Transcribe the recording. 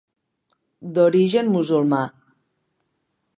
D'origen musulmà.